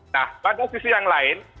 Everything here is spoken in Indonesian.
nah pada sisi yang lain